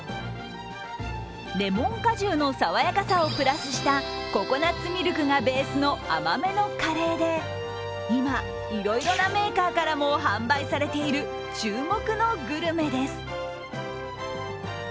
レモン果汁のさわやかさをプラスしたココナッツミルクがベースの甘めのカレーで、今、いろいろなメーカーからも販売されている注目のグルメです。